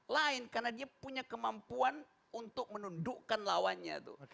lain karena dia punya kemampuan untuk menundukkan lawannya tuh